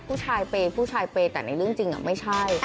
ผู้ชายเปย์ผู้ชายเปย์แต่ในเรื่องจริงไม่ใช่